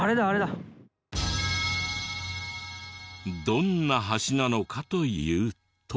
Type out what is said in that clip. どんな橋なのかというと。